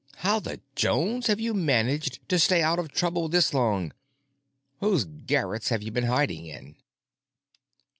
How the Jones have you managed to stay out of trouble this long? Whose garrets have you been hiding in?"